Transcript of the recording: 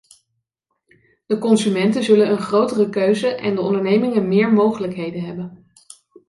De consumenten zullen een grotere keuze en de ondernemingen meer mogelijkheden hebben.